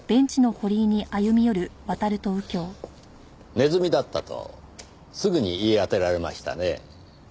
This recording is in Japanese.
ネズミだったとすぐに言い当てられましたね。